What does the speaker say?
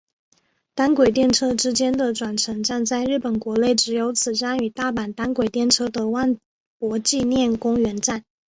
单轨电车之间的转乘站在日本国内只有此站与大阪单轨电车的万博纪念公园站。